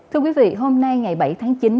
thưa quý vị hôm nay ngày bảy tháng chín